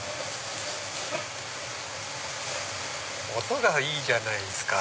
音がいいじゃないですか。